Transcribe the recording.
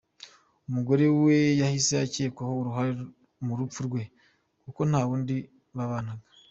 Umugore we yahise akekwaho uruhare mu rupfu rwe kuko nta wundi babanaga.